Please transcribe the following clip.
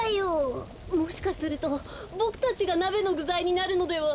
もしかするとボクたちがなべのぐざいになるのでは。